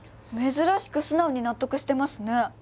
珍しく素直に納得してますね。